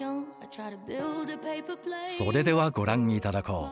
それではご覧頂こう。